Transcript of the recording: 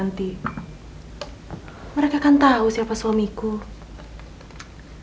aku percaya berapa suamiku andi